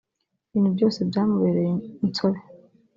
ibintu byose byamubereye insobe